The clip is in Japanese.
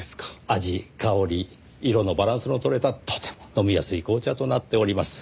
味香り色のバランスの取れたとても飲みやすい紅茶となっております。